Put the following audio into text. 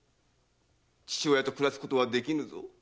父親と暮らすことはできぬぞ。